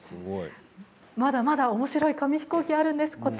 まだまだおもしろい紙ヒコーキがあるんです。